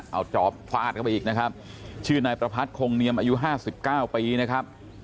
เอาจอบฟาดเข้าไปอีกนะครับชื่อนายประพัทธคงเนียมอายุห้าสิบเก้าปีนะครับ